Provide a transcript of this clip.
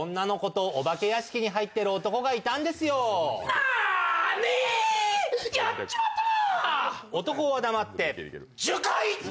なに、やっちまったな！